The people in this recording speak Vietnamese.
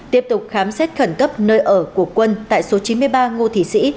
tiếp tục khám xét khẩn cấp nơi ở của quân tại số chín mươi ba ngo thí sĩ